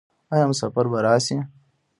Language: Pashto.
آیا مسافر به راشي؟